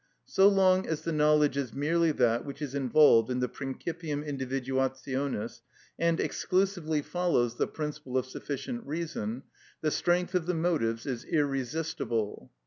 So long as the knowledge is merely that which is involved in the principium individuationis and exclusively follows the principle of sufficient reason, the strength of the motives is irresistible.